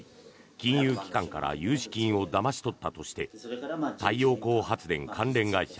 金融機関から融資金をだまし取ったとして太陽光発電関連会社